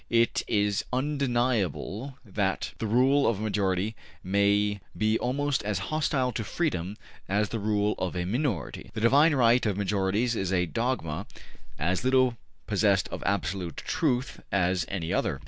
It is undeniable that the rule of a majority may be almost as hostile to freedom as the rule of a minority: the divine right of majorities is a dogma as little possessed of absolute truth as any other.